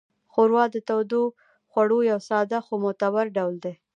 ښوروا د تودوخوړو یو ساده خو معتبر ډول دی.